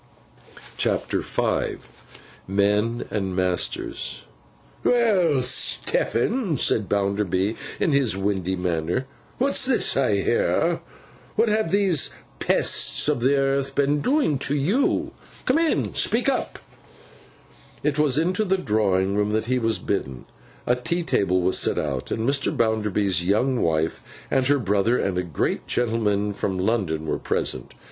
CHAPTER V MEN AND MASTERS 'WELL, Stephen,' said Bounderby, in his windy manner, 'what's this I hear? What have these pests of the earth been doing to you? Come in, and speak up.' It was into the drawing room that he was thus bidden. A tea table was set out; and Mr. Bounderby's young wife, and her brother, and a great gentleman from London, were present.